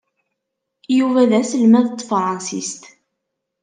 Yuba d aselmad n tefṛensist.